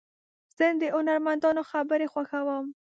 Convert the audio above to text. زه د هنرمندانو خبرې خوښوم.